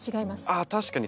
ああ確かに。